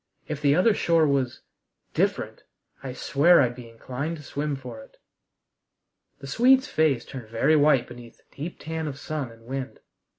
If the other shore was different, I swear I'd be inclined to swim for it!" The Swede's face turned very white beneath the deep tan of sun and wind.